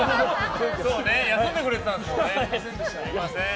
休んでくれてたんですもんね。すみません。